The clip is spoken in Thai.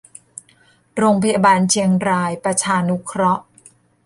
โรงพยาบาลเชียงรายประชานุเคราะห์